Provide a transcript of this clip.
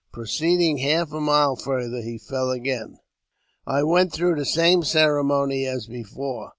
Proceeding half a mile further, he fell again. I went through the same ceremony as before.